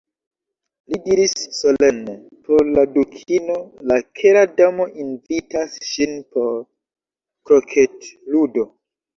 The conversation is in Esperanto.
Li diris solene: "Por la Dukino, La Kera Damo invitas ŝin por kroketludo."